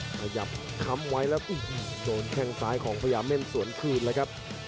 ขยับค้ำไว้แล้วโดนแข้งซ้ายของพยายามเล่นสวนคืนแล้วครับ